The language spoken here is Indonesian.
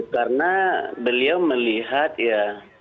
karena beliau melihat ya